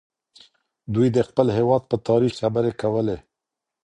دوی د خپل هېواد په تاريخ خبري کولې.